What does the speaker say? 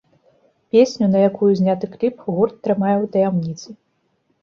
Песню, на якую зняты кліп, гурт трымае ў таямніцы.